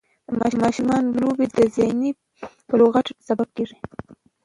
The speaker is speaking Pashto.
د ماشومانو لوبې د ذهني بلوغت سبب کېږي.